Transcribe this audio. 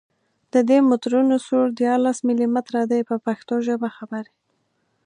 د دي مترونو سور دیارلس ملي متره دی په پښتو ژبه خبرې.